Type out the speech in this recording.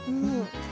うん。